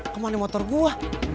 kemana motor gua